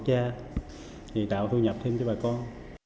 thì tạo thu nhập thêm cho bà con